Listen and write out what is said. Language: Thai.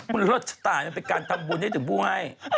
คุณรัชตายมันเป็นการทำบุญให้ถึงผู้ให้